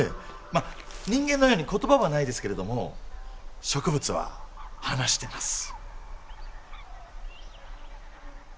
まあ人間のように言葉はないですけれども植物は話してます。